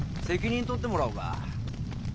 責任取ってもらおうか。